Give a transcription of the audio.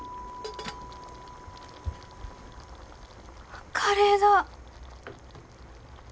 あっカレーだ！